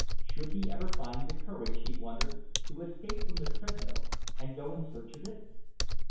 Should he ever find the courage, he wondered, to escape from the treadmill and go in search of it?